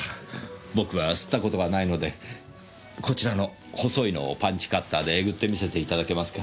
僕は吸った事がないのでこちらの細いのをパンチカッターでえぐってみせていただけますか？